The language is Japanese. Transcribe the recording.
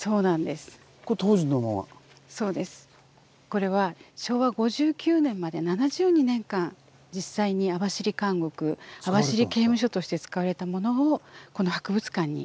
これは昭和５９年まで７２年間実際に網走監獄網走刑務所として使われたものをこの博物館に移築いたしました。